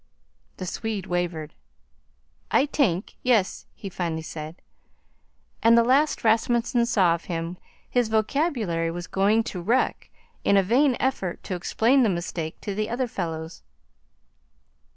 The Swede wavered. "Ay tank yes," he finally said, and the last Rasmunsen saw of him his vocabulary was going to wreck in a vain effort to explain the mistake to the other fellows.